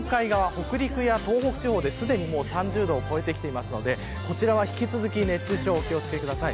北陸や東北地方ですでに３０度を超えてきているのでこちらは引き続き熱中症にご注意ください。